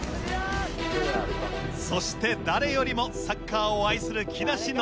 そして誰よりもサッカーを愛する木梨憲武。